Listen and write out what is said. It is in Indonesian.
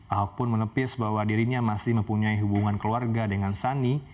ahok pun menepis bahwa dirinya masih mempunyai hubungan keluarga dengan sani